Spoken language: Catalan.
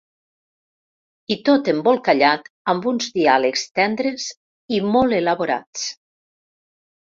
I tot embolcallat amb uns diàlegs tendres i molt elaborats.